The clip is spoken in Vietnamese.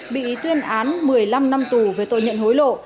bị tuyên án một mươi năm năm tù về tội nhận hối lộ